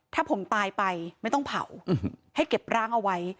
ถ้าผมตายไปไม่ต้องเผาให้เก็บร่างเอาไว้